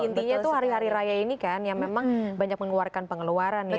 intinya itu hari raya ini yang memang banyak mengeluarkan pengeluaran ya